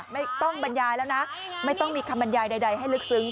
บรรยายแล้วนะไม่ต้องมีคำบรรยายใดให้ลึกซึ้ง